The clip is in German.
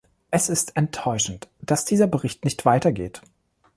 Es ist enttäuschend, dass dieser Bericht nicht weiter geht.